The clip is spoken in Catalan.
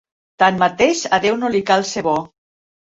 Tanmateix, a Déu no li cal ser "bo".